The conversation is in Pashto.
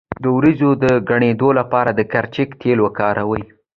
د وروځو د ډکیدو لپاره د کرچک تېل وکاروئ